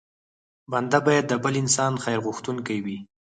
بنده بايد د بل انسان خیر غوښتونکی وي.